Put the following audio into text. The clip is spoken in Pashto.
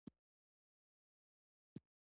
عامه چارې د ټولنې پر راتلونکي اغېز لري.